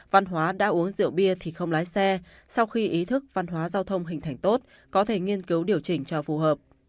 văn hóa đã uống rượu bia thì không lái xe sau khi ý thức văn hóa giao thông hình thành tốt có thể nghiên cứu điều chỉnh cho phù hợp